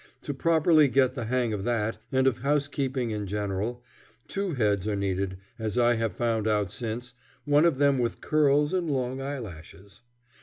To properly get the hang of that, and of housekeeping in general, two heads are needed, as I have found out since one of them with curls and long eyelashes.